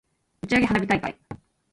打ち上げ花火大会